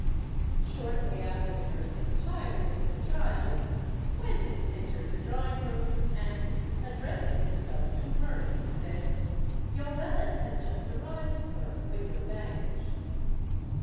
Shortly after the nurse had retired with the child, Quentin entered the drawing room, and, addressing himself to Vernon, said, "Your valet has just arrived, sir, with your baggage."